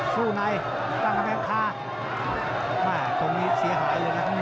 สู้ในตั้งกับแม่งฆ่า